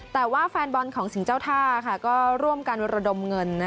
แต่ว่าแฟนบอลของสิ่งเจ้าท่าก็ร่วมกันระดมเงิน